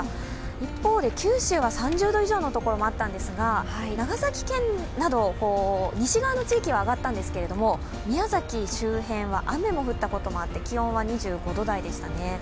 一方で九州は３０度以上の所もあったんですが、長崎県など西側の地域は上がったんですが、宮崎周辺は雨も降ったこともあって気温は２５度台でしたね。